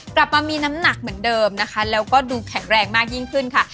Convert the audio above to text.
กลับมามีน้ำหนักเหมือนเดิมนะคะแล้วก็ดูแข็งแรงมากยิ่งขึ้นค่ะ